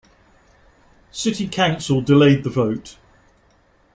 City council delayed the vote.